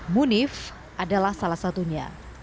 munif adalah salah satunya